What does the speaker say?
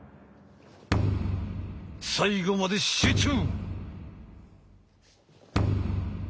最後まで集中！